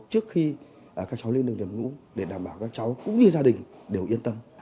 trước khi các cháu lên đường nhập ngũ để đảm bảo các cháu cũng như gia đình đều yên tâm